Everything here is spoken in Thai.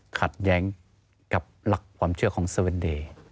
ขัดแย้งกับหลักความเชื่อของเซเวนเดย์